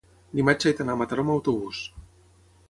dimarts he d'anar a Mataró amb autobús.